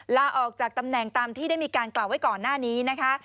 ลาออกจากตำแหน่งตามที่ได้มีการกล่าวไว้ก่อนหน้านี้นะคะ